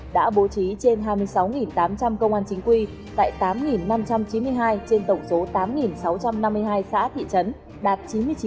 đã bố trí trên hai mươi sáu tám trăm linh công an chính quy tại tám năm trăm chín mươi hai trên tổng số tám sáu trăm năm mươi hai xã thị trấn đạt chín mươi chín